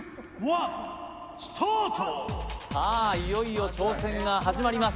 いよいよ挑戦が始まります。